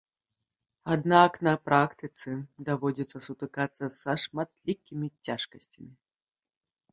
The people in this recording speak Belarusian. Аднак на практыцы даводзіцца сутыкацца са шматлікімі цяжкасцямі.